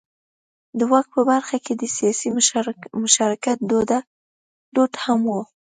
د واک په برخه کې د سیاسي مشارکت دود هم و.